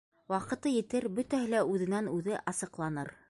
Ваҡыты етер - бөтәһе лә үҙенән- үҙе асыҡланыр.